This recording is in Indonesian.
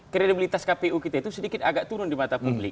kredibilitas kpu kita itu sedikit agak turun di mata publik